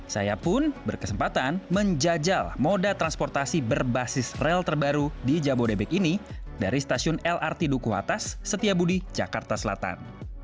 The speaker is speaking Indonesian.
saya pun berkesempatan menjajal moda transportasi berbasis rel terbaru di jabodebek ini dari stasiun lrt duku atas setiabudi jakarta selatan